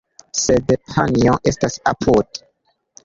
Sed panjo estas apude.